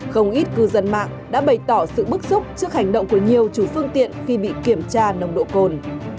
không ít cư dân mạng đã bày tỏ sự bức xúc trước hành động của nhiều chủ phương tiện khi bị kiểm tra nồng độ cồn